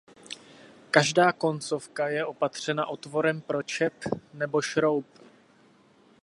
Každá koncovka je opatřena otvorem pro čep nebo šroub.